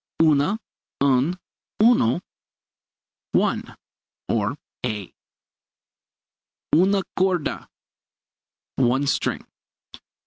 Una, un, uno one, or a. Una corda one string.